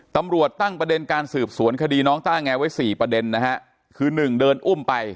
ตำรวจตั้งประเด็นการสืบสวนคดีน้องต้าแงไว้สี่ประเด็นนะฮะคือหนึ่งเดินอุ้มไป